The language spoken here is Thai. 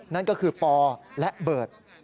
นั่นก็คือปอและเบิร์ต